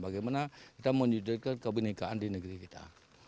bagaimana kita menunjukkan kebenekaan di negeri kita